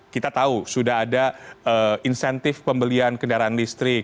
kita tahu sudah ada insentif pembelian kendaraan listrik